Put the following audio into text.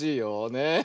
ねえ。